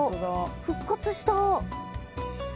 復活した！